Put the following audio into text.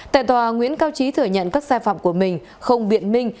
tại tòa nguyễn cao trí thừa nhận các sai phạm của mình không biện minh